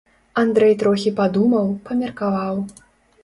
Андрэй трохі падумаў, памеркаваў.